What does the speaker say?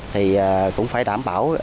thì cũng phải đảm bảo